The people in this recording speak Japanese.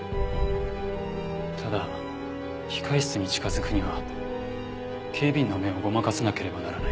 ただ控室に近づくには警備員の目をごまかさなければならない。